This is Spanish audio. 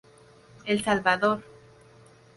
El Salvador.